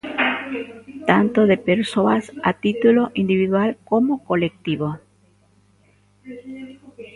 Tanto de persoas a título individual como colectivo.